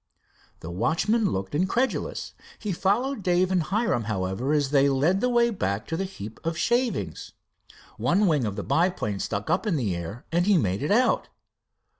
The watchman looked incredulous. He followed Dave and Hiram, however, as they led the way back to the heap of shavings. One wing of the biplane stuck up in the air and he made it out.